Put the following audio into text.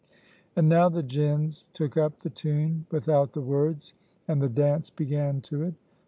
And now the gins took up the tune without the words and the dance began to it.